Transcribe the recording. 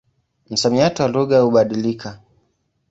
Msamiati wa lugha hubadilika.